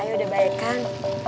ay udah baik kan